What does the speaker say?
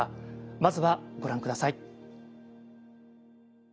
まずはご覧下さい。